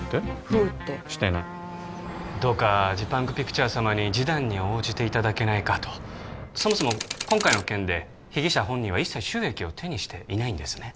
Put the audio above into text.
フーってしてないどうかジパングピクチャー様に示談に応じていただけないかとそもそも今回の件で被疑者本人は一切収益を手にしていないんですね